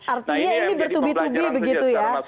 artinya ini bertubi tubi begitu ya